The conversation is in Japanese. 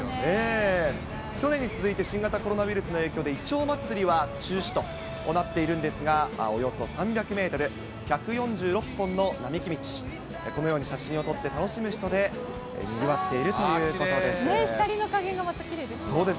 去年に続いて、新型コロナウイルスの影響で、いちょう祭りは中止となっているんですが、およそ３００メートル、１４６本の並木道、このように写真を撮って楽しむ人でにぎわっているということです。